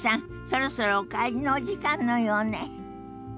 そろそろお帰りのお時間のようね。